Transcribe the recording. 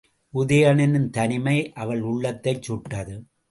உதயணனின் தனிமை அவள் உள்ளத்தைச் சுட்டது.